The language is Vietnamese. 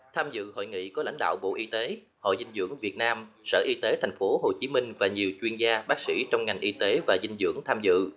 tham dự hội nghị có lãnh đạo bộ y tế hội dinh dưỡng việt nam sở y tế tp hcm và nhiều chuyên gia bác sĩ trong ngành y tế và dinh dưỡng tham dự